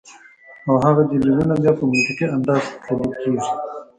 او هغه دليلونه بیا پۀ منطقي انداز تللے کيږي